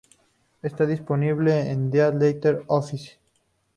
Está disponible en Dead Letter Office.